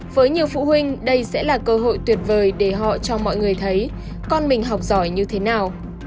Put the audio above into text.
với nhiều phụ huynh đây sẽ là cơ hội tuyệt vời để họ cho mọi người thấy con mình học giỏi như thế nào